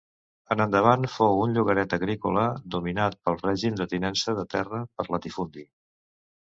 En endavant fou un llogaret agrícola dominat pel règim de tinença de terra per latifundi.